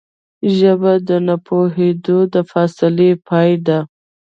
ژبه د نه پوهېدو د فاصلې پای ده